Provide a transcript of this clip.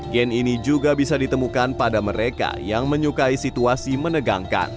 gen ini juga bisa ditemukan pada mereka yang menyukai situasi menegangkan